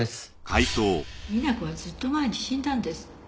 皆子はずっと前に死んだんです。